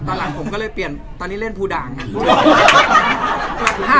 หลังผมก็เลยเปลี่ยนตอนนี้เล่นภูด่านครับ